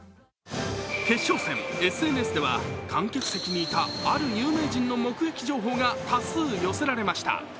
決勝戦、ＳＮＳでは観客席にいたある有名人の目撃情報が多数寄せられました。